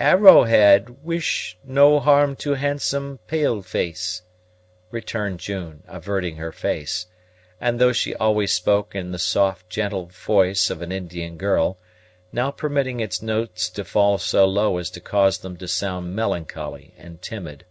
"Arrowhead wish no harm to handsome pale face," returned June, averting her face; and, though she always spoke in the soft, gentle voice of an Indian girl, now permitting its notes to fall so low as to cause them to sound melancholy and timid.